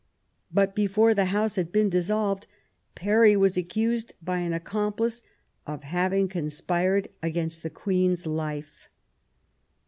But before the House had been dissolved, Parry was accused by an accom plice of having conspired against the Queen's life.